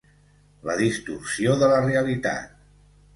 La distorsió de la realitat.